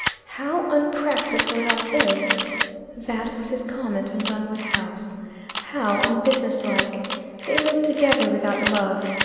"How unpractical it all is!" That was his comment on Dunwood House. "How unbusiness like! They live together without love.